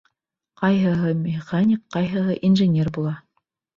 Ҡайһыһы механик, ҡайһыһы инженер була...